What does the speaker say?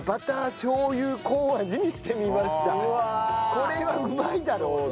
これはうまいだろうね。